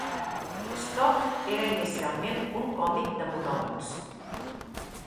Storch era inicialment un còmic de monòlegs.